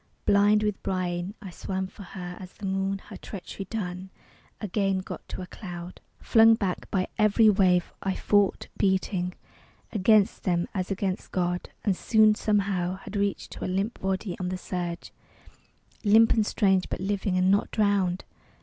Blind with brine I swam for her as the moon, Her treachery done, again got to a cloud. Flung back by every wave, I fought; beating Against them as against God. And soon, somehow, Had reached to a limp body on the surge, Limp and strange but living ... and not drowned!